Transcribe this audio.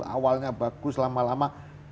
awalnya bagus lama lama